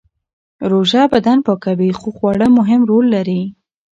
روژه بدن پاکوي خو خواړه مهم رول لري.